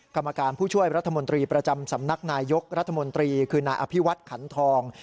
กรรมการผู้ช่วยรัฐมนตรีประจำสำนักนายยกรัฐมนตรีคือนายอภิวัตขันทอง